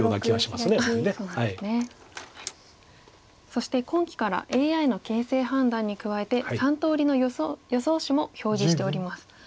そして今期からＡＩの形勢判断に加えて３通りの予想手も表示しております。